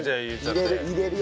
入れる。